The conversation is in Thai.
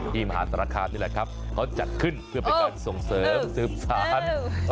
ที่มหาสรคำนี่แหละครับเขาจัดขึ้นเพื่อไปการส่งเสริมสืบศาล